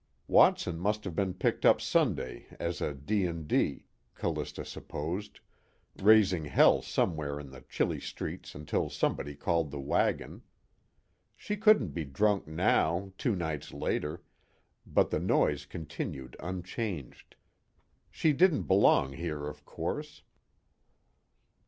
Watson must have been picked up Sunday as a D&D, Callista supposed, raising hell somewhere in the chilly streets until somebody called the wagon. She couldn't be drunk now, two nights later, but the noise continued unchanged. She didn't belong here of course.